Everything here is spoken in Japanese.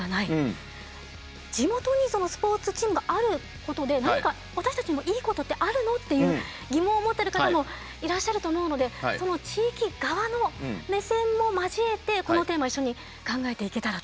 地元にスポーツチームがあることで何か私たちにもいいことってあるの？っていう疑問を持ってる方もいらっしゃると思うので地域側の目線も交えてこのテーマ一緒に考えていけたらと。